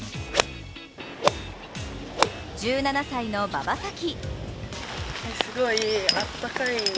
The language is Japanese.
１７歳の馬場咲希。